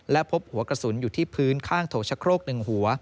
และพบหัวกระสุนอยู่ที่พื้นข้างโถชะโครก๑หัว